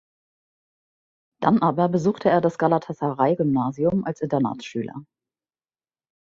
Dann aber besuchte er das Galatasaray-Gymnasium als Internatsschüler.